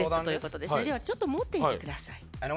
ではちょっと持っていてください。